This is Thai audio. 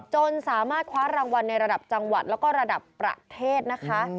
จนสามารถคว้ารางวัลในระดับจังหวัดแล้วก็ระดับประเทศนะคะ